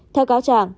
theo cáo trạng